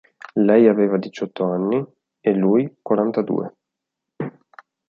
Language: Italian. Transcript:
Lei aveva diciotto anni e lui quarantadue.